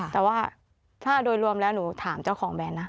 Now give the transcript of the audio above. แต่ว่าถ้าโดยรวมแล้วหนูถามเจ้าของแบรนดนะ